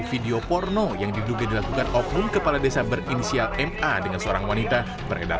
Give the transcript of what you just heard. video porno yang diduga dilakukan oknum kepala desa berinisial ma dengan seorang wanita beredar